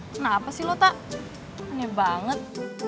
kenapa sih lo tak aneh banget